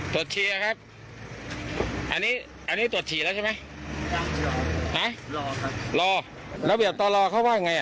เชียร์ครับอันนี้อันนี้ตรวจฉี่แล้วใช่ไหมยังรอนะรอครับรอระเบียบต่อรอเขาว่าไงอ่ะ